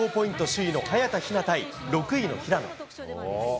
首位の早田ひな対６位の平野。